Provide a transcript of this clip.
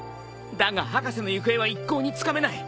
だが博士の行方は一向につかめない。